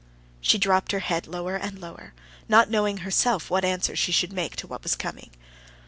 She dropped her head lower and lower, not knowing herself what answer she should make to what was coming.